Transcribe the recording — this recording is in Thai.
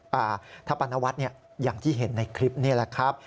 ทัพปนวัดเนี่ยอย่างที่เห็นในคลิปนี้แหละครับ